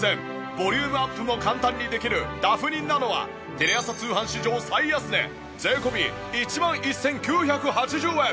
ボリュームアップも簡単にできるダフニｎａｎｏはテレ朝通販史上最安値税込１万１９８０円。